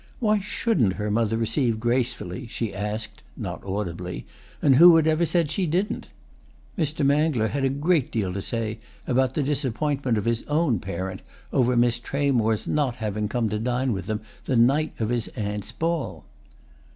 Why shouldn't her mother receive gracefully, she asked (not audibly) and who had ever said she didn't? Mr. Mangler had a great deal to say about the disappointment of his own parent over Miss Tramore's not having come to dine with them the night of his aunt's ball.